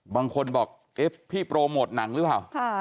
บางคนบอกเอ๊ะพี่โปรโมทหนังหรือเปล่า